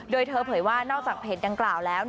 โดยเธอเผยว่านอกจากเพจดังกล่าวแล้ว